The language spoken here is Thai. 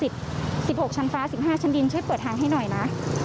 ดินช่วยเปิดทางให้หน่อยนะ